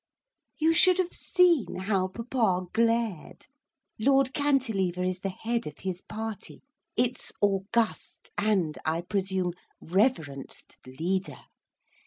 You should have seen how papa glared. Lord Cantilever is the head of his party. Its august, and, I presume, reverenced leader.